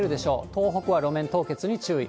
東北は路面凍結に注意。